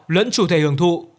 lẫn chủ thể hưởng thụ